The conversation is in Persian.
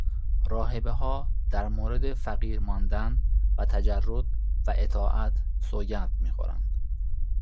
راهبهها در مورد فقیرماندن و تجرد و اطاعت سوگند میخورند.